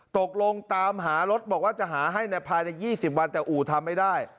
ตกลงตามหารถบอกว่าจะหาให้ภายใน๒๐วันแต่อู่ทำไม่ได้